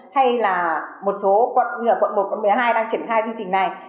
hay là một số quận như là quận một quận một mươi hai đang triển khai chương trình này